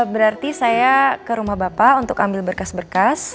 berarti saya ke rumah bapak untuk ambil berkas berkas